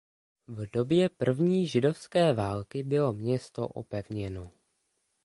V době první židovské války bylo město opevněno.